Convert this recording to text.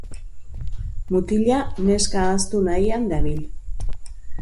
Mutila neska ahaztu nahian dabil.